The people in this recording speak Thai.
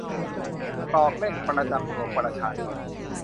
กรอกเลขประจำตัวประชาชน